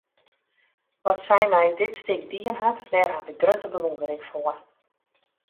Wat sy mei dit stik dien hat, dêr haw ik grutte bewûndering foar.